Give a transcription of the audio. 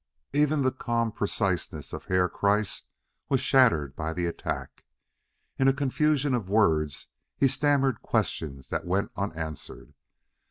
Even the calm preciseness of Herr Kreiss was shattered by the attack. In a confusion of words he stammered questions that went unanswered.